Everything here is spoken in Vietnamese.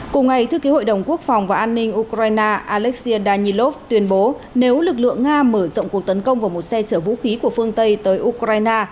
cùng ngày thư ký hội đồng quốc phòng và an ninh ukraine alexian danilov tuyên bố nếu lực lượng nga mở rộng cuộc tấn công vào một xe chở vũ khí của phương tây tới ukraine